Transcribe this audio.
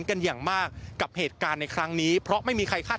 กันอย่างมากกับเหตุการณ์ในครั้งนี้เพราะไม่มีใครคาด